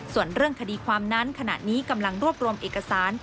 ส่วนเรื่องคดีความนั้นขณะนี้กำลังรวบรวมเอกสาร